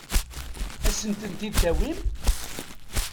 Ad asent-ten-id-tawim?